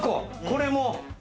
これも？